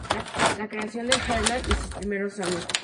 La creación del "Herald" y sus primeros años.